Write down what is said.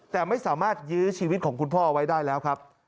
แต่ไม่สามารถยื้อชีวิตของคุณพ่อเอาไว้ได้แล้วครับ